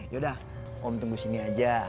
yaudah om tunggu sini aja